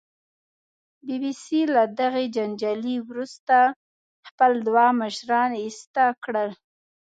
بي بي سي له دغې جنجال وروسته خپل دوه مشران ایسته کړل